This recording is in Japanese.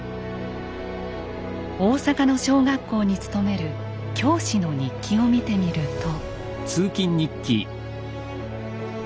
大阪の小学校に勤める教師の日記を見てみると。